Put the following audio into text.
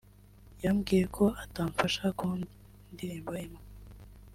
yambwiye ko atamfasha ku ndirimbo imwe